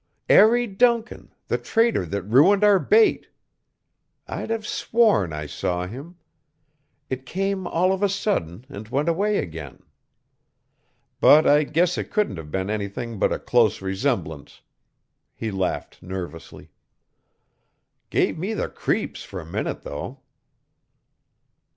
"'Arry Duncan, the traitor that ruined our bait. I'd have sworn I saw him. It came all of a sudden and went away again. But I guess it couldn't have been anything but a close resemblance." He laughed nervously. "Gave me the creeps for a minute, though."